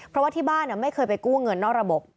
เพราะว่าที่บ้านไม่เคยไปกู้เงินนอกระบบ